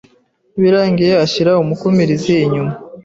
birangiye ashyira umukumirizi inyuma